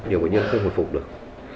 nhiều bệnh nhân không hồi phục được